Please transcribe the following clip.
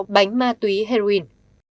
bánh ma túy heroin